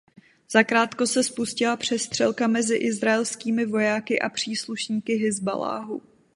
Zakrátko se spustila přestřelka mezi izraelskými vojáky a příslušníky Hizballáhu.